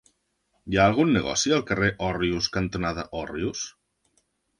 Hi ha algun negoci al carrer Òrrius cantonada Òrrius?